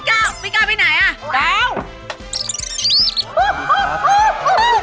อ้าพี่ก้าวพี่ก้ากันไปไหนอ่ะ